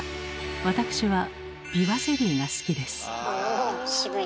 私はびわゼリーが好きです。え！